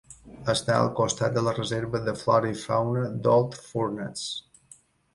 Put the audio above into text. Està al costat de la reserva de flora i fauna d'Old Furnace.